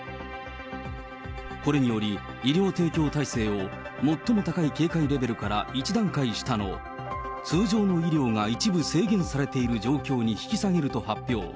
これにより、医療提供体制を最も高い警戒レベルから１段階下の通常の医療が一部制限されている状況に引き下げると発表。